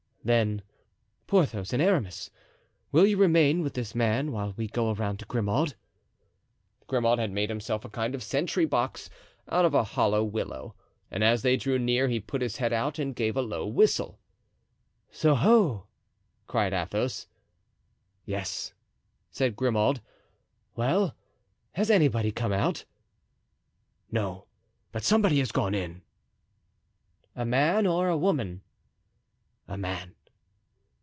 "Then, Porthos and Aramis, will you remain with this man while we go around to Grimaud?" Grimaud had made himself a kind of sentry box out of a hollow willow, and as they drew near he put his head out and gave a low whistle. "Soho!" cried Athos. "Yes," said Grimaud. "Well, has anybody come out?" "No, but somebody has gone in." "A man or a woman?" "A man."